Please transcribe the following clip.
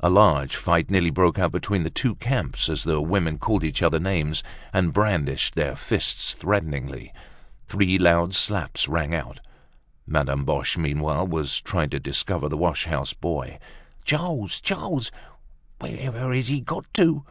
A large fight nearly broke out between the two camps as the women called each other names and brandished their fists threateningly. Three loud slaps rang out. Madame Boche, meanwhile, was trying to discover the wash house boy. "Charles! Charles! Wherever has he got to?"